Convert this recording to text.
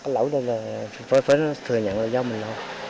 lỗi tôi là phải thừa nhận là lý do mình làm